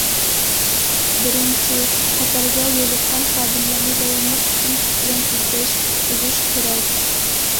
بىرىنچى، خەتەرگە يولۇققان خادىملارنى داۋاملىق پۈتۈن كۈچ بىلەن ئىزدەش، قۇتقۇزۇش كېرەك.